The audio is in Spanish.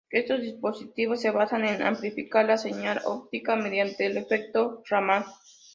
Estos dispositivos se basan en amplificar la señal óptica mediante el efecto Raman.